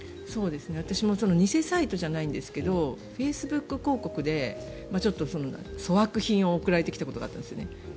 私も偽サイトじゃないんですけどフェイスブック広告で粗悪品を送られてきたことがあったんですね。